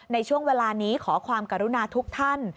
ในช่วงเวลานี้ขอความกรุณาทุกท่าน